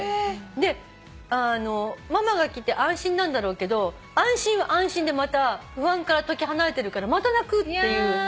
でママが来て安心なんだろうけど安心は安心でまた不安から解き放されてるからまた泣くっていう。